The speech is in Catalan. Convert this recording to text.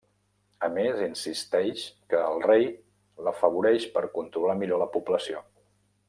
A més insisteix que el rei l'afavoreix per controlar millor la població.